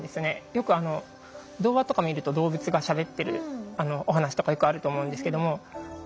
よく童話とか見ると動物がしゃべってるお話とかよくあると思うんですけどもへえ。